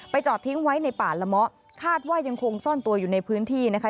จอดทิ้งไว้ในป่าละเมาะคาดว่ายังคงซ่อนตัวอยู่ในพื้นที่นะคะ